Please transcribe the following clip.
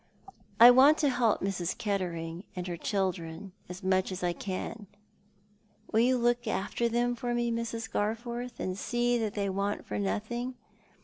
"I want to help Mrs. Kettering and her children as much as I can. "Will you look after them for me, Mrs. Garforth, and see that they want for nothing